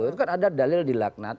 itu kan ada dalil di laknat